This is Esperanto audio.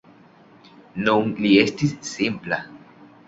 Nun li estis simpla.